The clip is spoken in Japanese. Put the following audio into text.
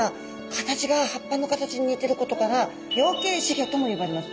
形が葉っぱの形に似てることから葉形仔魚とも呼ばれます。